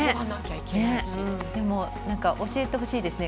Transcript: でも、教えてほしいですね。